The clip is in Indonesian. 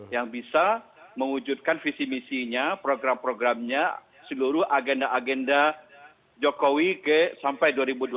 yang bisa mewujudkan visi misinya program programnya seluruh agenda agenda jokowi sampai dua ribu dua puluh empat